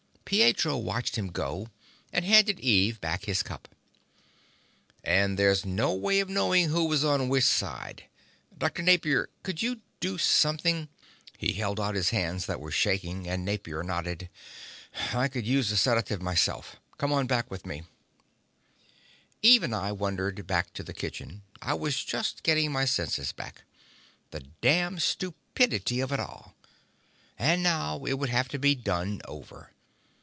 Pietro watched him go, and handed Eve back his cup. "And there's no way of knowing who was on which side. Dr. Napier, could you do something...." He held out his hands that were shaking, and Napier nodded. "I can use a sedative myself. Come on back with me." Eve and I wandered back to the kitchen. I was just getting my senses back. The damned stupidity of it all. And now it would have to be done over.